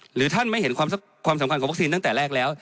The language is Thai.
หรือท่านไม่เห็นความสำคัญของวัคซีนตั้งแต่แรกแล้ว